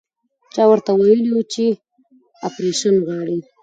چا ورته ويلي وو چې اپرېشن غواړي.